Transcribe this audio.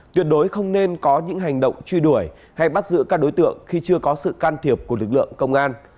tuyệt đối không nên có những hành động truy đuổi hay bắt giữ các đối tượng khi chưa có sự can thiệp của lực lượng công an